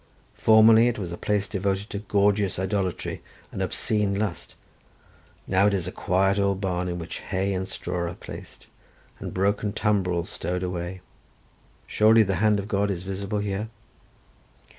Formerly it was a place devoted to gorgeous idolatry and obscene lust; now it is a quiet old barn in which hay and straw are placed, and broken tumbrils stowed away: surely the hand of God is visible here?"